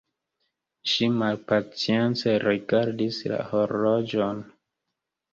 Ŝi malpacience rigardis la horloĝon.